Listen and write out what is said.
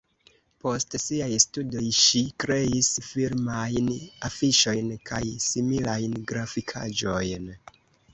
Post siaj studoj ŝi kreis filmajn afiŝojn kaj similajn grafikaĵojn.